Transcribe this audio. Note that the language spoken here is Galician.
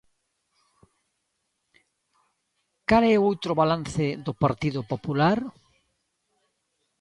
¿Cal é o outro balance do Partido Popular?